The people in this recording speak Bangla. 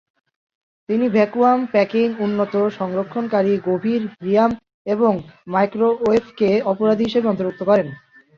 তিনি ভ্যাকুয়াম প্যাকিং, উন্নত সংরক্ষণকারী, গভীর হিমায়ন এবং মাইক্রোওয়েভকে অপরাধী হিসেবে অন্তর্ভুক্ত করেন।